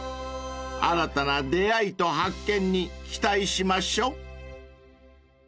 ［新たな出会いと発見に期待しましょ］